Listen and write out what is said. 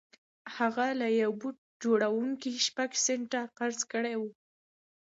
هغه له یوه بوټ جوړوونکي شپږ سنټه قرض کړي وو